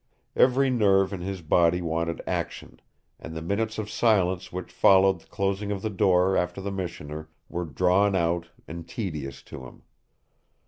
Every nerve in his body wanted action, and the minutes of silence which followed the closing of the door after the missioner were drawn out and tedious to him.